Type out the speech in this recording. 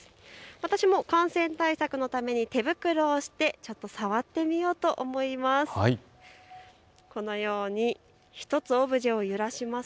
私も感染対策のために手袋をしてちょっと触ってみようと思います。